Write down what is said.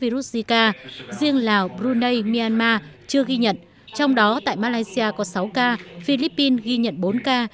riêng lào brunei myanmar chưa ghi nhận trong đó tại malaysia có sáu ca philippines ghi nhận bốn ca